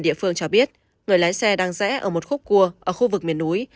địa phương cho biết người lái xe đang rẽ ở một khúc cua ở khu vực miền núi